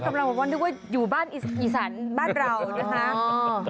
กำลังบอกว่าอยู่บ้านอีสานบ้านเรานะครับ